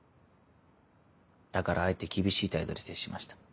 だからあえて厳しい態度で接しました。